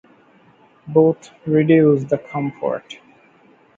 Both reduce the comfort.